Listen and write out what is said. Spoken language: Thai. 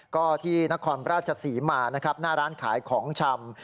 ก็ที่นครราชสีมาหน้าร้านขายของชำ